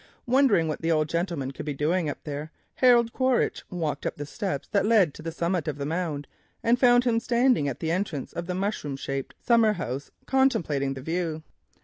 Wondering what the old gentleman could be doing there, Harold Quaritch walked up the steps that led to the summit of the mound, and found him standing at the entrance to the mushroom shaped summer house, contemplating the view.